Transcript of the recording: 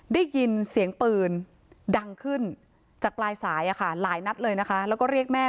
ได้ยินเสียงปืนดังขึ้นจากปลายสายหลายนัดเลยนะคะแล้วก็เรียกแม่